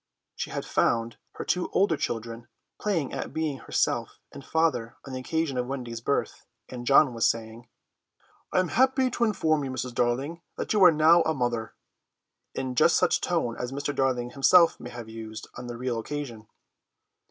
She had found her two older children playing at being herself and father on the occasion of Wendy's birth, and John was saying: "I am happy to inform you, Mrs. Darling, that you are now a mother," in just such a tone as Mr. Darling himself may have used on the real occasion.